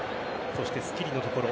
そして、スキリのところ。